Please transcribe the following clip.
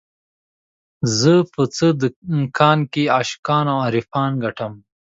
زه په څه دکان کې عاشقان او عارفان ګټم